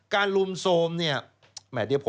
การลุมโทมเนี่ย